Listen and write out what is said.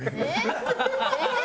ハハハハ！